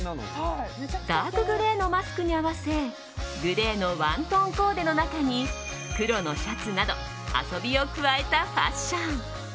ダークグレーのマスクに合わせグレーのワントーンコーデの中に黒のシャツなど遊びを加えたファッション。